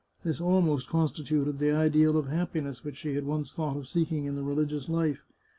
This almost constituted the ideal of happiness which she had once thought of seeking in the religious life.